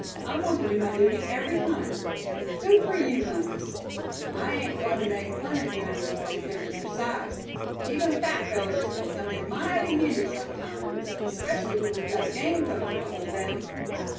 I want to do my duty every time." "Good for you, Bumpus; I ain't goin' to make fun of you any more, because of your size. Even fat fellers c'n come in mighty handy sometimes, especially when you've got a game poacher to hold down."